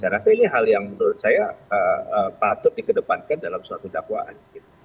jadi saya rasa ini hal yang menurut saya patut dikedepankan dalam suatu dakwaan